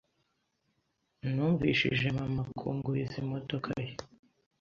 Numvishije mama kunguriza imodoka ye.